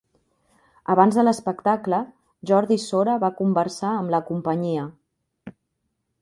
Abans de l'espectacle, Jordi Sora va conversar amb la companyia.